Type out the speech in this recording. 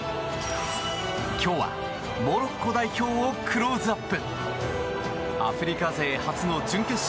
今日はモロッコ代表をクローズアップ。